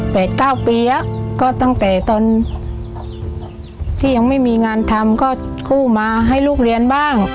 เก้าปีแล้วก็ตั้งแต่ตอนที่ยังไม่มีงานทำก็กู้มาให้ลูกเรียนบ้าง